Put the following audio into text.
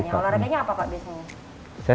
olahraganya apa pak biasanya